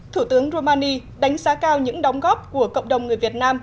thủ tướng romani đánh giá cao những đóng góp của cộng đồng người việt nam